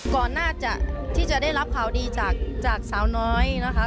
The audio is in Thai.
ก่อนน่าจะที่จะได้รับข่าวดีจากจากเฉนน้อยนะคะ